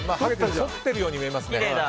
そってるように見えますね。